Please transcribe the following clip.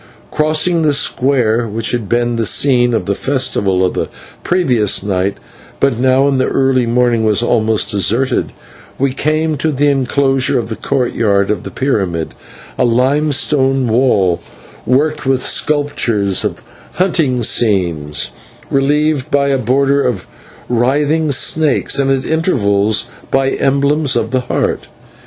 Crossing the square, which had been the scene of the festival of the previous night, but now in the early morning was almost deserted, we came to the inclosure of the court yard of the pyramid, a limestone wall worked with sculptures of hunting scenes, relieved by a border of writhing snakes, and at intervals by emblems of the Heart.